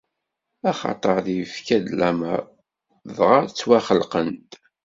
Axaṭer ifka-d lameṛ, dɣa ttwaxelqen-d.